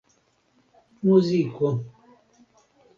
muziko